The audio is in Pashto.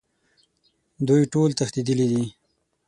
دوی ټول تښتیدلي دي